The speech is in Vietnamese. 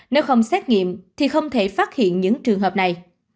nếu không xét nghiệm thì không thể phát hiện những trường hợp này